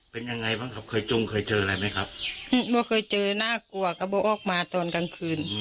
เป็นยังไงบ้างครับเคยจงเคยเจออะไรไหมครับบอกเคยเจอน่ากลัวก็บอกออกมาตอนกลางคืน